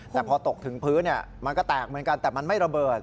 แต่พอตกถึงพื้นมันก็แตกเหมือนกันแต่มันไม่ระเบิด